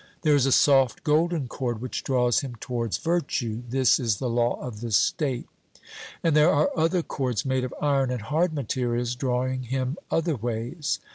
There is a soft golden cord which draws him towards virtue this is the law of the state; and there are other cords made of iron and hard materials drawing him other ways.